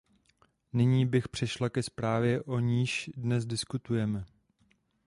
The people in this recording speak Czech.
Nyní bych přešla ke zprávě, o níž dnes diskutujeme.